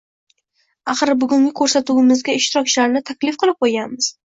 Axir bugungi ko’rsatuvimizga ishtirokchilarni taklif qilib qo’yganmiz.